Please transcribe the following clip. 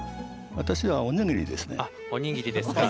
私は、おにぎりですね。